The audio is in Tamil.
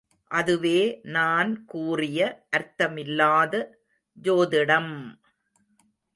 அதுவே நான் கூறிய அர்த்தமில்லாத ஜோதிடம்!